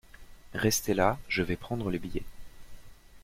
Restez là, je vais prendre les billets…